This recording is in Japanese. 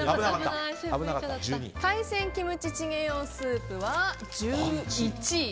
海鮮キムチチゲ用スープは１１位。